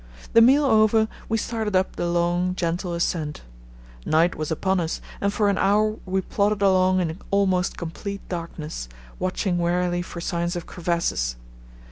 The meal over, we started up the long, gentle ascent. Night was upon us, and for an hour we plodded along in almost complete darkness, watching warily for signs of crevasses.